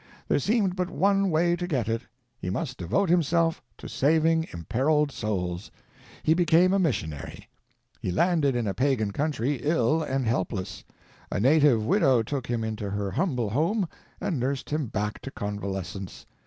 There seemed but one way to get it; he must devote himself to saving imperiled souls. He became a missionary. He landed in a pagan country ill and helpless. A native widow took him into her humble home and nursed him back to convalescence.